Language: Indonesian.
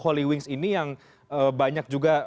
holy wings ini yang banyak juga